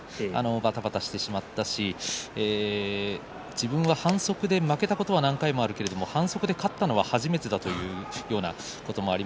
ばたばたしてしまったし気分は反則で負けたことは何回もあるんだけれども勝ったのは初めてだということです。